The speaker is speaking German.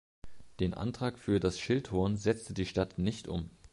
Den Antrag für das Schildhorn setzte die Stadt nicht um.